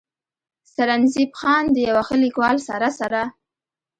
“ سرنزېب خان د يو ښه ليکوال سره سره